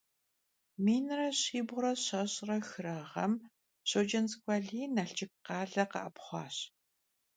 Minre bğuş're şeş're xıre ğem Şocents'ık'u Aliy Nalşşık khale khe'epxhuaş.